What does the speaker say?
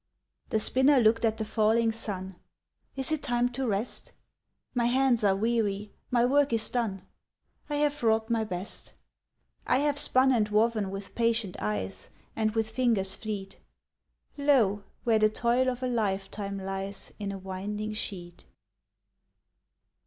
The spinner looked at the falling sun: "Is it time to rest? My hands are weary, my work is done, I have wrought my best; I have spun and woven with patient eyes And with fingers fleet. Lo! where the toil of a lifetime lies In a winding sheet!"